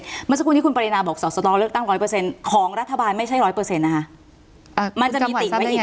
เมื่อสักครู่นี้คุณปริณาบอกสอสลอเลือกตั้งร้อยเปอร์เซ็นต์ของรัฐบาลไม่ใช่ร้อยเปอร์เซ็นต์นะครับ